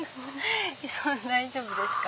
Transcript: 大丈夫ですか？